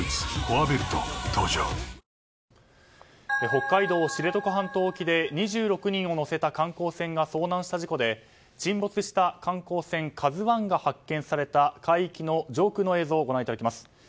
北海道知床半島沖で２６人を乗せた観光船が遭難した事故で沈没した観光船「ＫＡＺＵ１」が発見された海域の上空の映像をご覧いただきます。